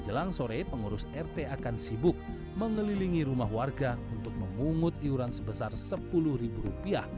jelang sore pengurus rt akan sibuk mengelilingi rumah warga untuk memungut iuran sebesar rp sepuluh